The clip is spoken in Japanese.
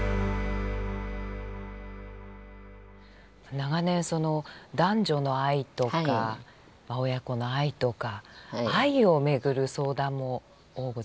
長年その男女の愛とか親子の愛とか愛を巡る相談も多ございましょう？